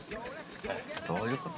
◆どういうこと？